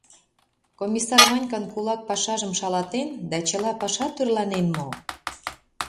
Комиссар Ванькан кулак пашажым шалатен, да чыла паша тӧрланен мо?